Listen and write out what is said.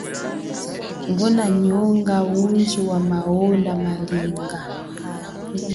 Nguna nyonga undji wa maola malinga.